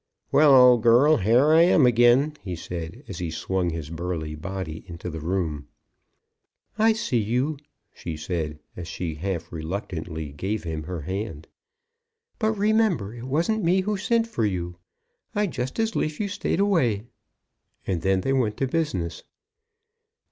"Well, old girl, here I am again," he said, as he swung his burly body into the room. "I see you," she said, as she half reluctantly gave him her hand. "But remember, it wasn't me who sent for you. I'd just as lief you stayed away." And then they went to business.